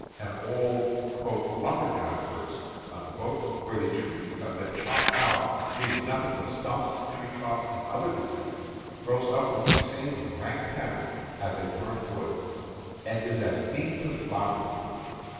An old "lumber works," where the trees have been chopped out, leaving nothing but stumps, tree tops, and other debris, grows up with the same rank tenants as a burnt wood, and is as mean to flounder through.